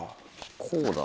こうだ。